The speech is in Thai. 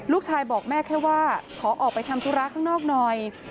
ลูกชายบอกแม่แค่ว่าขอออกไปทำธุระข้างนอกหน่อย